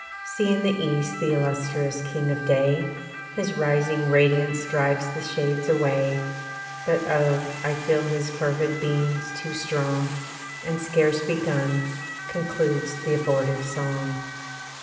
See in the East th' illustrious king of day ! His rising radiance drives the shades away. But oh ! I feel his fervid beams too strong, And scarce begun, concludes th' abortive song.